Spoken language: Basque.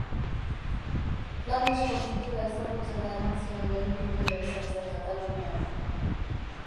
Flandesko pintura ezagutzera eman zuen lehen pintorea izan zen Katalunian.